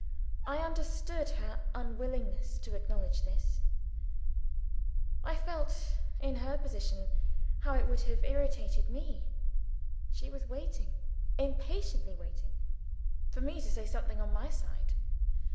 I understood her unwillingness to acknowledge this I felt (in her position) how it would have irritated me. She was waiting impatiently waiting for me to say something on my side.